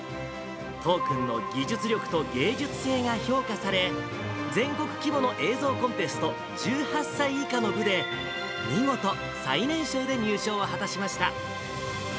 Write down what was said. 都央君の技術力と芸術性が評価され、全国規模の映像コンテスト、１８歳以下の部で、見事、最年少で入賞を果たしました。